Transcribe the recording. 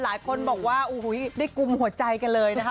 หลายคนบอกว่าโอ้โหได้กุมหัวใจกันเลยนะคะ